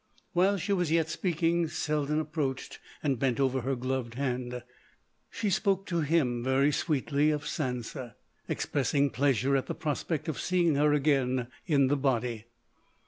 While she was yet speaking Selden approached and bent over her gloved hand. She spoke to him very sweetly of Sansa, expressing pleasure at the prospect of seeing her again in the body.